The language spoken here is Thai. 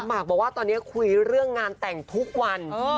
หมากบอกว่าตอนนี้คุยเรื่องงานแต่งทุกวัน